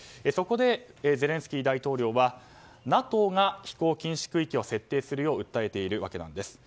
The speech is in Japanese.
そこで、ゼレンスキー大統領はＮＡＴＯが飛行禁止区域を設定するよう訴えているわけなんです。